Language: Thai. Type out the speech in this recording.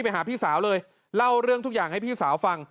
ไปหาพี่สาวเลยเล่าเรื่องทุกอย่างให้พี่สาวฟัง